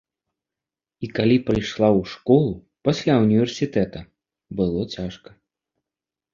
І калі прыйшла ў школу пасля ўніверсітэта, было цяжка.